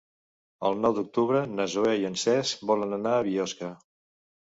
El nou d'octubre na Zoè i en Cesc volen anar a Biosca.